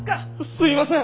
すいません！